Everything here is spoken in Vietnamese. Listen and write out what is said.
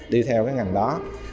đi theo cái ngành đó